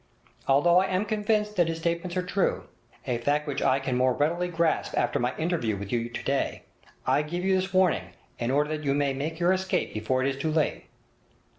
Although I am convinced that his statements are true, a fact which I can more readily grasp after my interview with you today, I give you this warning in order that you may make your escape before it is too late.